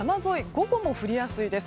午後も降りやすいです。